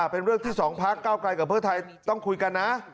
เป็นเรื่องที่๒พักเก้าไกลกับเพื่อไทยต้องคุยกันนะ